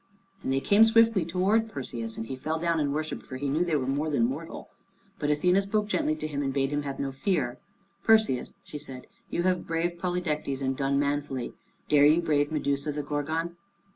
And they came swiftly towards Perseus, and he fell down and worshiped, for he knew they were more than mortal. But Athene spoke gently to him and bade him have no fear. "Perseus," she said, "you have braved Polydectes, and done manfully. Dare you brave Medusa the Gorgon?"